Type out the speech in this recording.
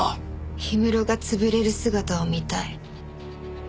氷室が潰れる姿を見たい。